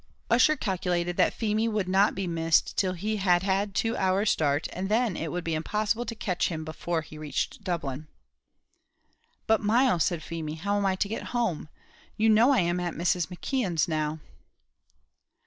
Ussher calculated that Feemy would not be missed till he had had two hours' start, and that then it would be impossible to catch him before he reached Dublin. "But, Myles," said Feemy, "how am I to get home? You know I am at Mrs. McKeon's now."